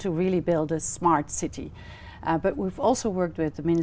trên nhiều nước trên thế giới